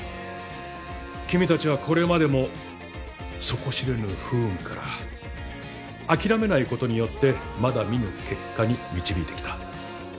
君たちはこれまでも底知れぬ不運から諦めないことによってまだ見ぬ結果に導いてきた。